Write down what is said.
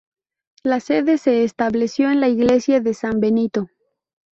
La sede se estableció en la iglesia de San Benito.